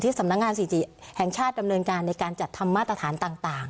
สำนักงานศิติแห่งชาติดำเนินการในการจัดทำมาตรฐานต่าง